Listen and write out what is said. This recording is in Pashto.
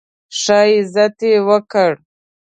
ښه عزت یې وکړ.